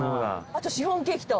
あとシフォンケーキと。